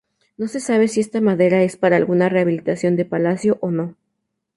No se sabe si esta madera es para alguna rehabilitación de palacio o no.